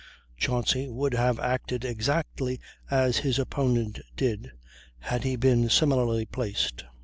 Chauncy would have acted exactly as his opponent did, had he been similarly placed.